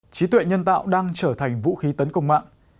trí tuệ nhân tạo đang trở thành vũ khí tấn công mạng